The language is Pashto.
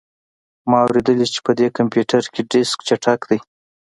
ما اوریدلي چې په دې کمپیوټر کې ډیسک چټک دی